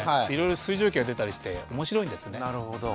いろいろ水蒸気が出たりして面白いんですね。